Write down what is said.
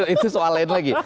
itu soal lain lagi